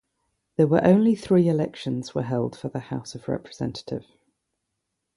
There were only three elections were held for the House of Representative.